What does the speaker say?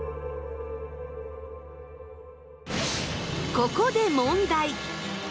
ここで問題！